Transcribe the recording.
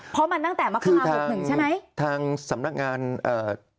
เพราะมันตั้งแต่มกราหกหนึ่งใช่ไหมทางสำนักงานเอ่อ